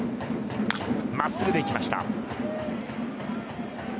真っすぐでいきました。